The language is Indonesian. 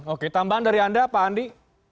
oke tambahan dari anda pak andi